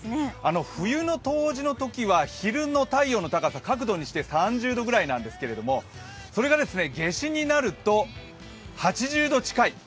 冬の冬至の時は昼の太陽の高さ、角度にして３０度くらいなんですけど、それが夏至になると８０度近い。